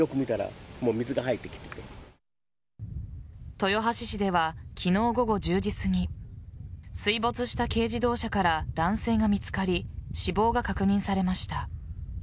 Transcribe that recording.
豊橋市では昨日午後１０時すぎ水没した軽自動車から男性が見つかり死亡が確認されました。